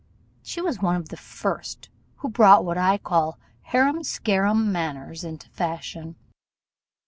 She was one of the first who brought what I call harum scarum manners into fashion.